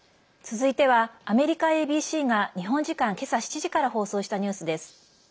続いては、アメリカＡＢＣが日本時間、今朝７時から放送したニュースです。